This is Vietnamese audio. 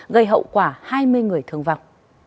gây hậu quả hai mươi người thương vọng